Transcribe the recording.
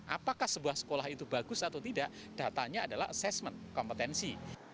apakah sebuah sekolah itu bagus atau tidak datanya adalah assessment kompetensi